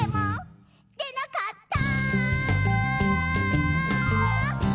「でなかった！」